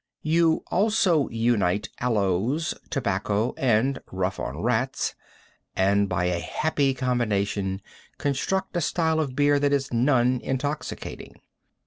You also unite aloes, tobacco and Rough on Rats, and, by a happy combination, construct a style of beer that is non intoxicating.